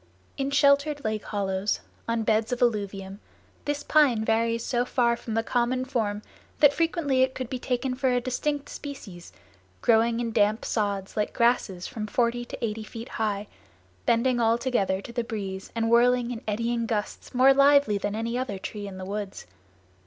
In sheltered lake hollows, on beds of alluvium, this pine varies so far from the common form that frequently it could be taken for a distinct species, growing in damp sods like grasses from forty to eighty feet high, bending all together to the breeze and whirling in eddying gusts more lively than any other tree in the woods.